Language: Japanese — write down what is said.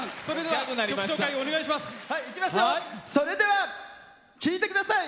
それでは聴いてください。